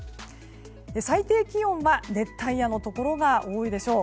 最低気温は熱帯夜のところが多いでしょう。